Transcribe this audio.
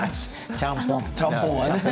ちゃんぽんはね。